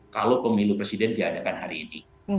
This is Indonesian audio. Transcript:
kalau pemilu presiden diadakan hari ini